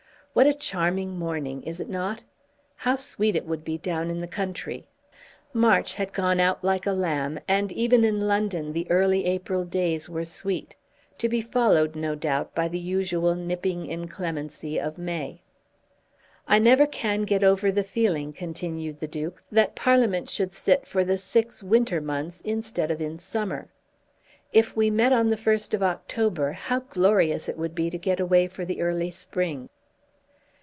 What a charming morning; is it not? How sweet it would be down in the country." March had gone out like a lamb, and even in London the early April days were sweet, to be followed, no doubt, by the usual nipping inclemency of May. "I never can get over the feeling," continued the Duke, "that Parliament should sit for the six winter months, instead of in summer. If we met on the first of October, how glorious it would be to get away for the early spring!"